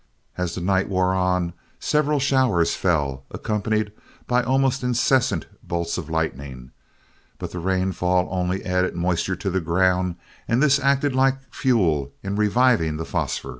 As the night wore on, several showers fell, accompanied by almost incessant bolts of lightning, but the rainfall only added moisture to the ground and this acted like fuel in reviving the phosphor.